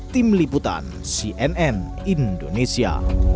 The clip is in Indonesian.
tim liputan cnn indonesia